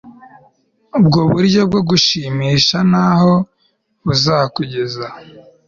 Ubwo buryo bwo gushimisha ntaho buzakugeza